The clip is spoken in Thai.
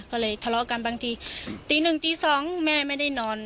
ก็เลยทะเลาะกันบางทีตีหนึ่งตีสองแม่ไม่ได้นอน